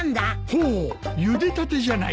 ほうゆでたてじゃないか。